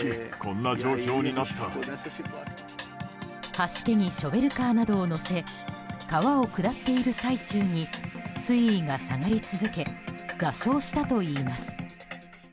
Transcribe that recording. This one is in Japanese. はしけにショベルカーなどを載せ川を下っている最中に水位が下がり続け座礁したといいます。